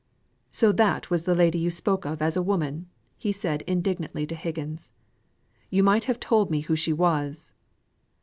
"So that was the lady you spoke of as a woman?" said he indignantly to Higgins. "You might have told me who she was."